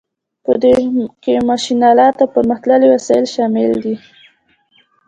په دې کې ماشین الات او پرمختللي وسایل شامل دي.